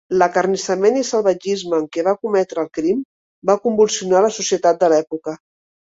L'acarnissament i salvatgisme amb què va cometre el crim va convulsionar la societat de l'època.